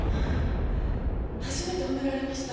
初めて褒められました。